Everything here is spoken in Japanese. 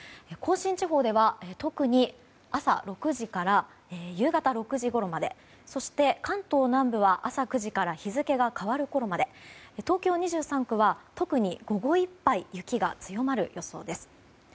甲信地方では特に朝６時から夕方６時ごろまでそして、関東南部は朝９時から日付が変わるころまで東京２３区は特に午後いっぱい雪が強まる予想です。